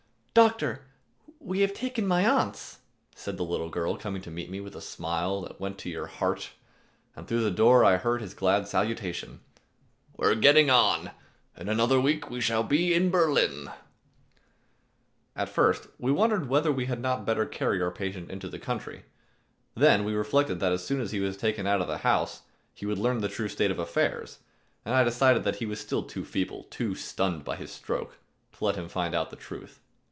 "Doctor, we have taken Mayence,"[269 1] said the little girl coming to meet me with a smile that went to your heart, and through the door I heard his glad salutation, "We're getting on! In another week we shall be in Berlin." At that time the Prussians were only a week's march from Paris. At first we wondered whether we had not better carry our patient into the country. Then we reflected that as soon as he was taken out of the house, he would learn the true state of affairs, and I decided that he was still too feeble, too stunned by his stroke, to let him find out the truth.